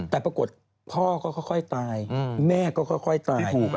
แต่ปรากฏพ่อก็ค่อยตายแม่ก็ค่อยตาย